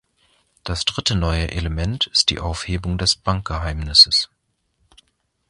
Das dritte neue Element ist die Aufhebung des Bankgeheimnisses.